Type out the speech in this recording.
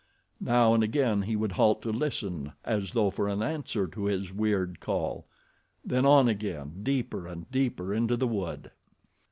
Now and again he would halt to listen as though for an answer to his weird call, then on again, deeper and deeper into the wood.